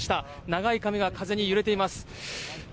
長い髪が風に揺れています。